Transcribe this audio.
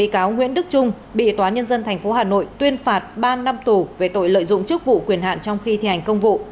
công an nhân dân việt nam thanh bảo kiếm